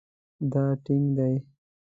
دا ټینګ دی